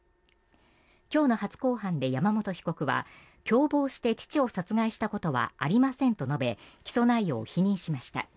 今日の初公判で山本被告は共謀して父を殺害したことはありませんと述べ起訴内容を否認しました。